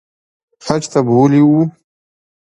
حج ته بوولي وو